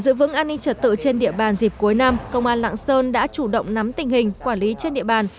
để giữ vững an ninh trật tự trên địa bàn dịp cuối năm công an lạng sơn đã chủ động nắm tình hình quản lý trên địa bàn